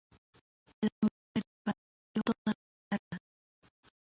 Las mujeres de palacio fueron todas arrestadas.